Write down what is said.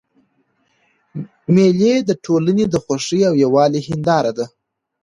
مېلې د ټولني د خوښۍ او یووالي هنداره ده.